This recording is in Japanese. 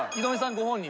ご本人！？